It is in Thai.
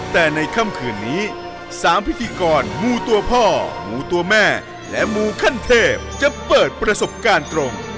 แต่ในค่ำคืนนี้๓พิธีกรมูตัวพ่อมูตัวแม่และมูขั้นเทพจะเปิดประสบการณ์ตรง